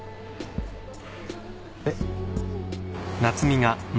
えっ？